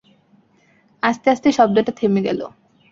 আস্তে আস্তে শব্দটা থেমে গেল।